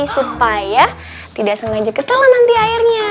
supaya tidak sengaja ketela nanti airnya